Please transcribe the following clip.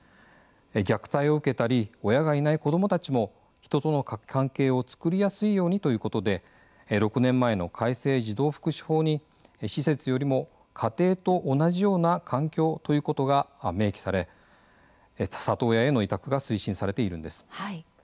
虐待を受けたり親がいない子どもたちも人との関係を作りやすいようにということで６年前の改正児童福祉法に「施設よりも家庭と同じような環境を」ということが明記され里親への委託が推進されているんです。